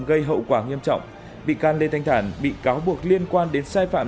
gây hậu quả nghiêm trọng bị can lê thanh thản bị cáo buộc liên quan đến sai phạm